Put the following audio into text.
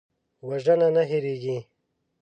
وژنه نه هېریږي